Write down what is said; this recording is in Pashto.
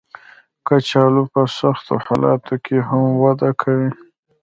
کچالو په سختو حالاتو کې هم وده کوي